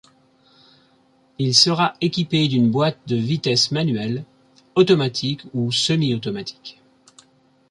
Il sera équipé d'une boite de vitesses manuelle, automatique ou semi-automatique.